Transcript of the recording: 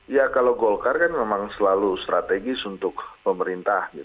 ya kalau golkar kan memang selalu strategis untuk pemerintah